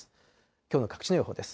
きょうの各地の予報です。